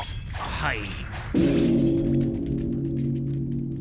はい。